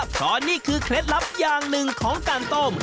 เพราะนี่คือเคล็ดลับอย่างหนึ่งของการต้ม